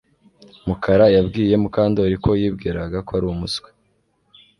Mukara yabwiye Mukandoli ko yibwiraga ko ari umuswa